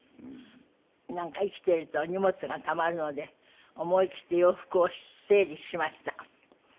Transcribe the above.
なんか生きてると荷物がたまるので思いきって洋服を整理しましたか？